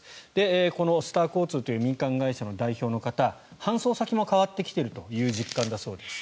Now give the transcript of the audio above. このスター交通という民間会社の代表の方搬送先も変わってきているという実感だそうです。